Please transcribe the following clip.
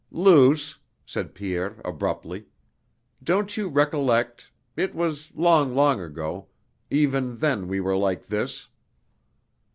"Luce," said Pierre abruptly, "don't you recollect?... It was long, long ago.... Even then we were like this...."